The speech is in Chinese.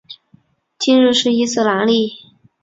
今日是伊斯兰历。